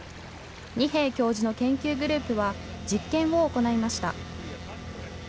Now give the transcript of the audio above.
二瓶教授の研究グループは実験を行いました。